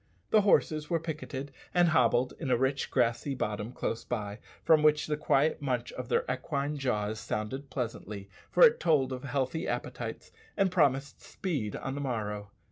The horses were picketed and hobbled in a rich grassy bottom close by, from which the quiet munch of their equine jaws sounded pleasantly, for it told of healthy appetites, and promised speed on the morrow.